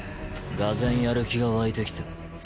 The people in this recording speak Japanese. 俄然やる気が湧いてきた。